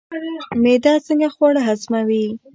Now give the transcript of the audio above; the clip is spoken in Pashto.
معده څنګه خواړه هضموي؟